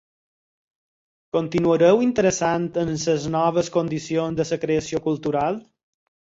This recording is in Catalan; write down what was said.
Continuareu interessant en les noves condicions de la creació cultural?